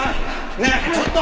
ねえちょっと！